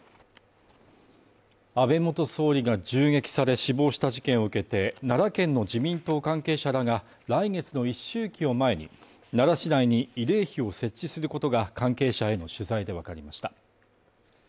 安倍元総理が銃撃され死亡した事件を受けて、奈良県の自民党関係者らが来月の一周忌を前に、奈良市内に慰霊碑を設置することが関係者への取材でわかりました。